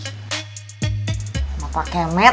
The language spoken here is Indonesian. sama pak kemet